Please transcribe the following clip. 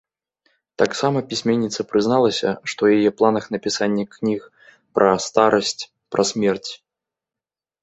Таксама пісьменніца прызналася, што ў яе планах напісанне кніг пра старасць, пра смерць.